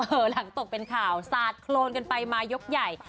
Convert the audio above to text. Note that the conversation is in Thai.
หลังตกเป็นข่าวสาดโครนกันไปมายกใหญ่